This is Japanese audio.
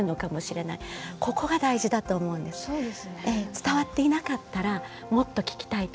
伝わっていなかったらもっと聞きたいと思うだろうし。